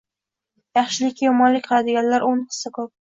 yaxshilikka yomonlik qiladiganlar o’n hissa ko’p.